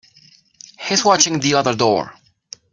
He's watching the other door.